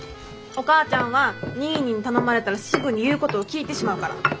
お母ちゃんはニーニーに頼まれたらすぐに言うことを聞いてしまうから。